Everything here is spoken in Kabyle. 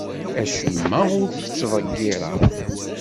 Acemma ur t-ttḍeggireɣ.